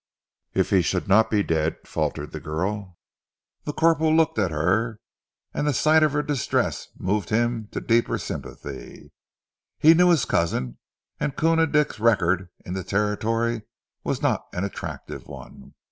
"If he should not be dead " faltered the girl. The corporal looked at her, and the sight of her distress moved him to a deeper sympathy. He knew his cousin, and Koona Dick's record in the territory was not an attractive one.